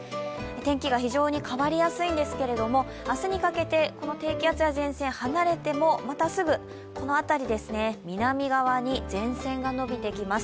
天気が非常に変わりやすいんですけれども明日にかけてこの低気圧や前線離れても、またすぐ、この辺り、南側に前線が延びてきます。